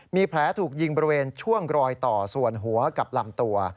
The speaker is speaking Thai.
มีแผลถูกยิงบริเวณช่วงรอยต่อส่วนหัวกับลำตัว